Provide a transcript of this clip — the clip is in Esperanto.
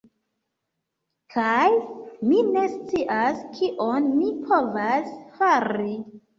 Kaj, mi ne scias kion mi povas fari.